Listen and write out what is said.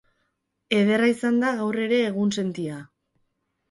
Ederra izan da gaur ere egunsentia.